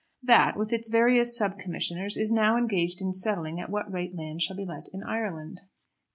That, with its various sub commissioners, is now engaged in settling at what rate land shall be let in Ireland.